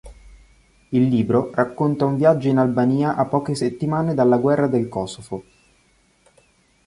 Il libro racconta un viaggio in Albania a poche settimane dalla Guerra del Kosovo.